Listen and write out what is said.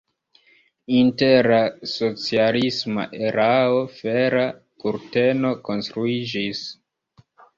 Inter la socialisma erao Fera kurteno konstruiĝis.